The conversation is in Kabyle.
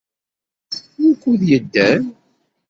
Wukud yedder?